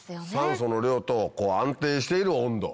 酸素の量と安定している温度。